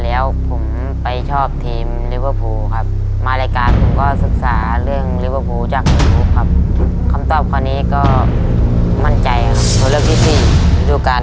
และตัวเลือกที่๔ฤดูการ๑๙๘๙๑๙๘๙